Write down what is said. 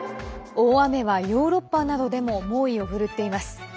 大雨はヨーロッパなどでも猛威を振るっています。